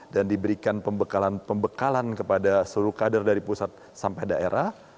dan diberikan pembekalan pembekalan kepada seluruh kader dari pusat sampai daerah